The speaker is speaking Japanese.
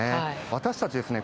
私たちですね